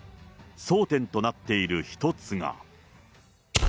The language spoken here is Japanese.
争点となっている一つが。